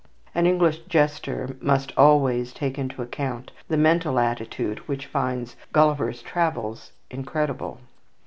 An English jester must always take into account the mental attitude which finds "Gulliver's Travels" "incredible."